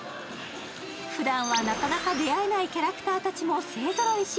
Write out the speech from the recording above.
ふだんはなかなか出会えないキャラクターたちも勢ぞろいし